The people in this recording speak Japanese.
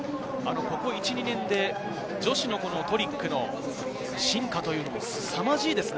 ここ１２年で女子のトリックの進化というのも、すさまじいですね。